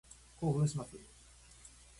興奮します。